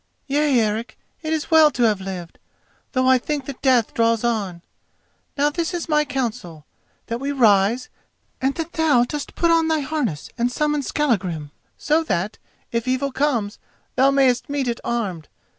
"Yea, Eric, it is well to have lived; though I think that death draws on. Now this is my counsel: that we rise, and that thou dost put on thy harness and summon Skallagrim, so that, if evil comes, thou mayst meet it armed.